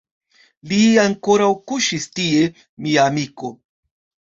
Li ankoraŭ kuŝis tie, mia amiko.